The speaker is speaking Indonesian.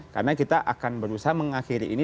karena kita akan berusaha mengakhiri ini